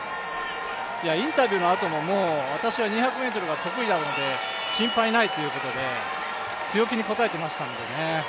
インタビューのあとも私は２００ｍが得意なので心配ないということで強気に答えていましたのでね。